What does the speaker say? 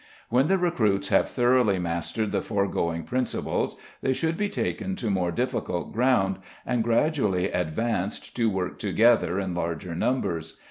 When the recruits have thoroughly mastered the foregoing principles they should be taken to more difficult ground, and gradually advanced to work together in larger numbers.